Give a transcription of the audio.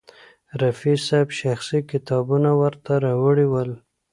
رفیع صاحب شخصي کتابونه ورته راوړي ول.